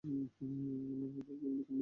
উনি মনে হচ্ছে এক লাইন কম বুঝেন।